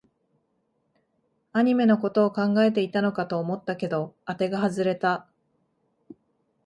アニメのことを考えていたのかと思ったけど、あてが外れた